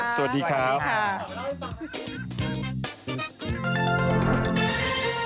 สวัสดีครับ